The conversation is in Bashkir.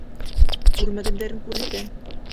Күрмәгәндәрен күрһәтәм!